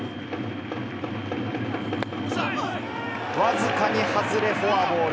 僅かに外れ、フォアボール。